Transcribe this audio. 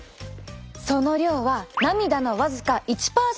その量は涙の僅か１％未満。